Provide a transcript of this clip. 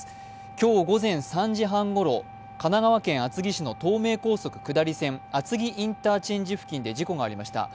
今日午前３時半ごろ、神奈川県厚木市の東名高速下り線厚木インターチェンジ付近で事故がありました。